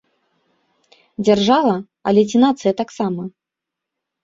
Дзяржава, але ці нацыя таксама?